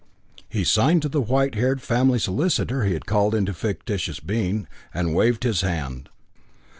He signed to the white haired family solicitor he had called into fictitious being, and waved his hand.